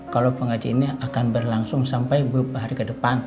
kalau pengacinnya akan berlangsung sampai hari ke depan